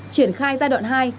triển khai giai đoạn hai